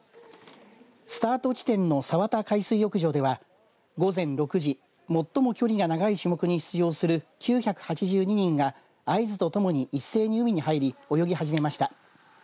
スタート地点の佐和田海水浴場では午前６時、最も距離が長い種目に出場する９８２人が合図とともに一斉に海に入り泳ぎ始めました。